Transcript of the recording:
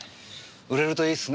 売れるといいっすね